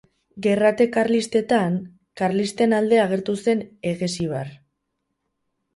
Gerrate Karlistetan, karlisten alde agertu zen Eguesibar.